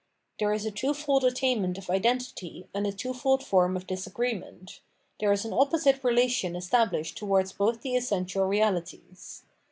There is a twofold attainment of identity and a twofold form of disagreement : there is an opposite relation established towards both the essential realities.